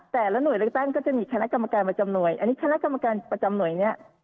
แต่ละหน่วยเลือกตั้งก็จะมีคณะกรรมการประจำหน่วยอันนี้คณะกรรมการประจำหน่วยเนี่ย